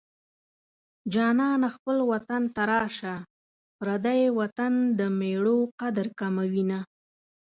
جانانه خپل وطن ته راشه پردی وطن د مېړو قدر کموينه